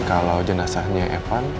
kalau jenazahnya evan